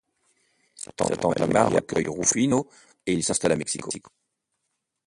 Sa tante Amalia recueille Rufino et ils s'installent à Mexico.